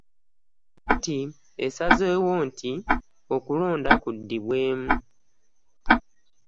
Kkooti esazeewo nti okulonda kudibwemu.